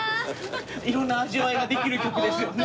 色んな味わいができる曲ですよね。